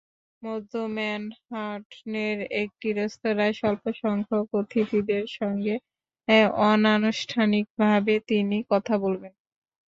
মধ্য ম্যানহাটনের একটি রেস্তোরাঁয়, স্বল্পসংখ্যক অতিথিদের সঙ্গে অনানুষ্ঠানিকভাবে তিনি কথা বলবেন।